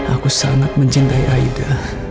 aku sangat mencintai aida